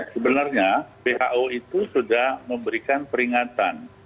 sebenarnya who itu sudah memberikan peringatan